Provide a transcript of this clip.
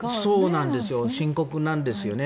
深刻なんですよね。